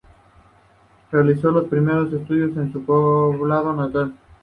Realizó los primeros estudios en su poblado natal.